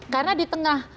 karena di tengah